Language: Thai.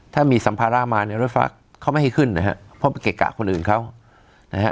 ถ้ามีสัมภาระมาเนี่ยรถฝากเขาไม่ให้ขึ้นนะฮะเพราะไปเกะกะคนอื่นเขานะฮะ